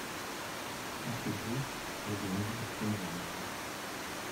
Il fait beau, j’avais envie de prendre l’air…